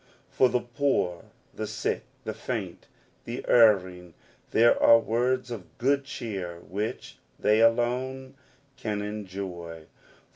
For the poor, the sick, the faint, the erring, there are words of good cheer which they alone can enjoy.